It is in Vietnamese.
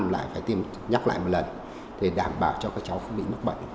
lại phải tiêm nhắc lại một lần để đảm bảo cho các cháu không bị mắc bệnh